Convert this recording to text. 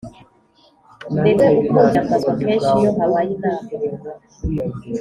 ndetse akunze kwiyambazwa kenshi iyo habaye inama